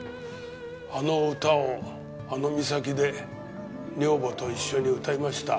あの歌をあの岬で女房と一緒に歌いました。